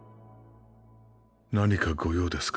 何かご用ですか？